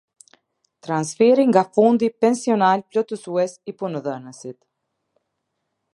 Transferi nga fondi pensional plotësues i punëdhënësit.